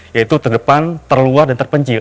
yaitu terdepan terluar dan terpencil